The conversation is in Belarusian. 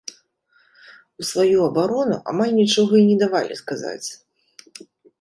У сваю абарону амаль нічога і не давалі сказаць.